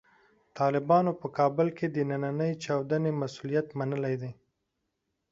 طالبانو په کابل کې د نننۍ چاودنې مسوولیت منلی دی.